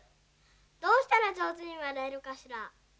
どうしたらじょうずにわれるかしら？